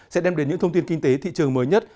sẽ đem đến những thông tin kinh tế thị trường mới nhất